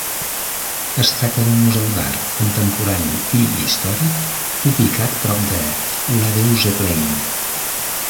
Es tracta d'un museu d'art contemporani i històric ubicat prop de Ladeuzeplein.